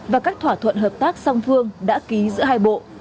và các thỏa thuận hợp tác song phương đã ký giữa hai bộ